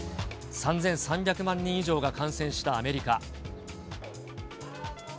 ３３００万人以上が感染したアメリカ。